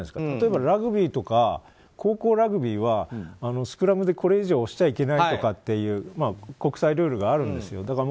例えば、ラグビーとか高校ラグビーはスクラムでこれ以上押しちゃダメとか国際ルールがあるんです。